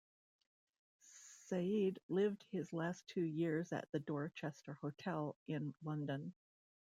Said lived his last two years at the Dorchester Hotel in London.